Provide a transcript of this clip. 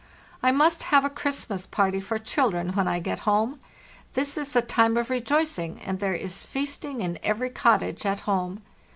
I must have a Christmas party for children when I get home. This is the time of rejoicing, and there is feasting in every cottage at home.